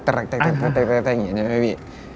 แบบนี้